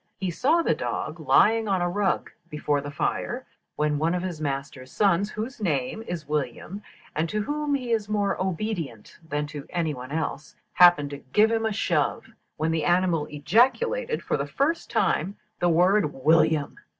He saw the dog lying on a rug before the fire, when one of his master's sons, whose name is William, and to whom he is more obedient than to any one else, happened to give him a shove, when the animal ejaculated, for the first time, the word 'William.'